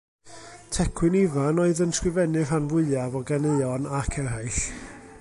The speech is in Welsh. Tecwyn Ifan oedd yn sgrifennu'r rhan fwyaf o ganeuon Ac Eraill.